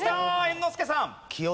猿之助さん。